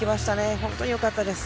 本当に良かったです。